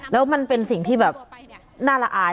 แล้วมันเป็นสิ่งที่แบบน่าละอาย